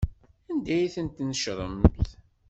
Anda ay tent-tnecṛemt?